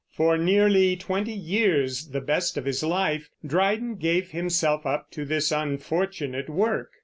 For nearly twenty years, the best of his life, Dryden gave himself up to this unfortunate work.